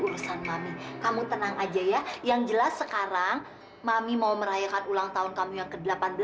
urusan mami kamu tenang aja ya yang jelas sekarang mami mau merayakan ulang tahun kamu yang ke delapan belas